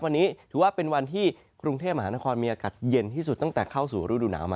วันนี้ถือว่าเป็นวันที่กรุงเทพมหานครมีอากาศเย็นที่สุดตั้งแต่เข้าสู่ฤดูหนาวมา